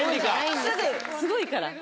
すぐすごいから。